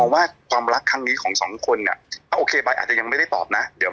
ว่าความรักครั้งนี้ของสองคนเนี่ยโอเคใบอาจจะยังไม่ได้ตอบนะเดี๋ยว